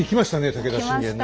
武田信玄ね。